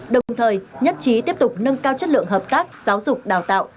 đồng thời nhất trí tiếp tục nâng cao chất lượng hợp tác giáo dục đào tạo